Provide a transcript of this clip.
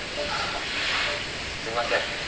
あぁすいません。